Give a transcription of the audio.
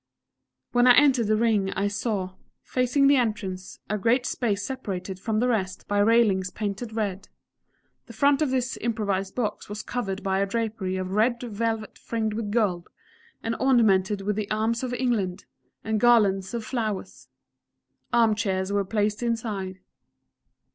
When I entered the Ring I saw, facing the entrance, a great space separated from the rest by railings painted red; the front of this improvised box was covered by a drapery of red velvet fringed with gold, and ornamented with the Arms of England, and garlands of flowers. Arm chairs were placed inside.